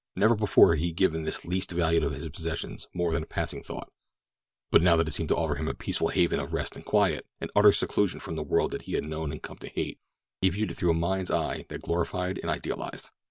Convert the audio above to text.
Never before had he given this least valued of his possessions more than a passing thought, but now that it seemed to offer him a peaceful haven of rest and quiet, and utter seclusion from the world that he had known and come to hate, he viewed it through a mind's eye that glorified and idealized.